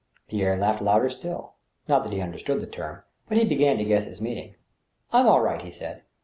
Pierre laughed louder still ; not that he understood the term, but he began to guess its meaning. "I'm all right," he said.